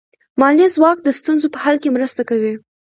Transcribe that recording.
مالي ځواک د ستونزو په حل کې مرسته کوي.